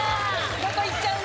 どこ行っちゃうの？